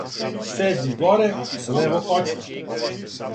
седми горе лево коцка